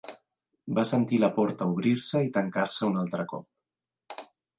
Va sentir la porta obrir-se i tancar-se un altre cop.